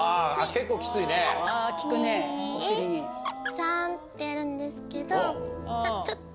サンってやるんですけど。